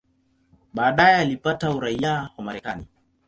Baadaye alipata uraia wa Marekani.